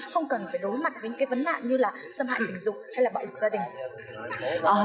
không cần phải đối mặt với những cái vấn nạn như là xâm hại tình dục hay là bạo lực gia đình